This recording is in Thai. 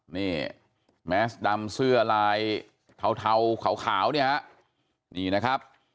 นี่แมสดำเสื้อลายเทาขาวเนี่ยฮะนี่นะครับ